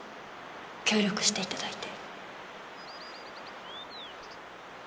協力していただいて。